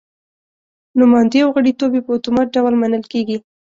نوماندي او غړیتوب یې په اتومات ډول منل کېږي.